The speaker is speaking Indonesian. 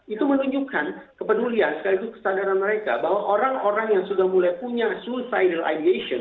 itu menunjukkan kepedulian sekaligus kesadaran mereka bahwa orang orang yang sudah mulai punya sulsider ideation